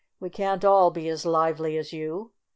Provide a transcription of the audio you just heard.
"We can't all be as lively as you.